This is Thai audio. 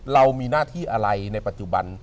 เรามีหน้าที่อะไรในปัจจุบัน